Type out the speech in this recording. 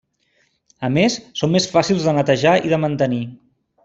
A més són més fàcils de netejar i de mantenir.